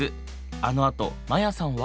あのあとマヤさんは？